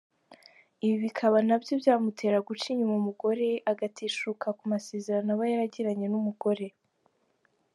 Ibi bikaba nabyo byamutera guca inyuma umugore agateshuka ku isezerano aba yaragiranye n’umugore.